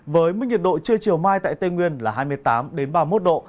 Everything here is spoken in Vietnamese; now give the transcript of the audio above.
với mức nhiệt độ trưa chiều mai tại tây nguyên là hai mươi tám ba mươi một độ